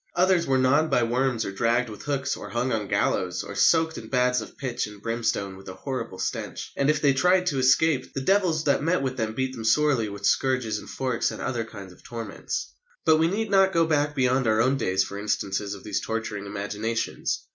Others were gnawed by worms or dragged with hooks, or hung on gallows, or "soaked in baths of pitch and brimstone with a horrible stench," and, if they tried to escape, "the devils that met with them beat them sorely with scourges and forks and other kinds of torments." But we need not go back beyond our own days for instances of these torturing imaginations.